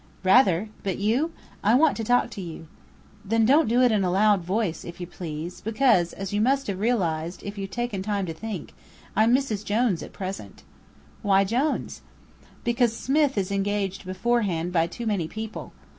"Rather! But you? I want to talk to you." "Then don't do it in a loud voice, if you please, because, as you must have realized, if you've taken time to think, I'm Mrs. Jones at present." "Why Jones?" "Because Smith is engaged beforehand by too many people.